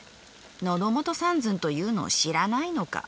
のどもと三寸というのを知らないのか。